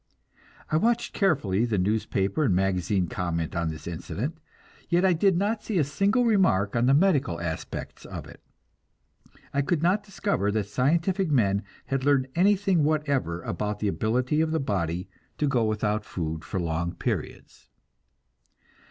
I watched carefully the newspaper and magazine comment on this incident, yet I did not see a single remark on the medical aspects of it; I could not discover that scientific men had learned anything whatever about the ability of the body to go without food for long periods.